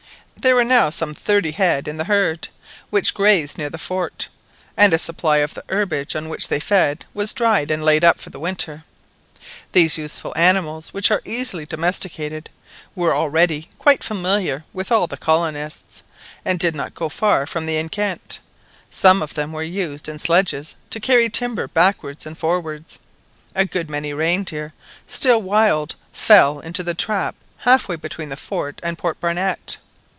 There were now some thirty head in the herd which grazed near the fort, and a supply of the herbage on which they feed was dried and laid up for the winter. These useful animals, which are easily domesticated, were already quite familiar with all the colonists, and did not go far from the enceinte. Some of them were used in sledges to carry timber backwards and forwards. A good many reindeer, still wild, now fell into the trap half way between the fort and Port Barnett.